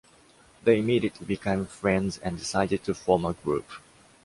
They immediately became friends and decided to form a group.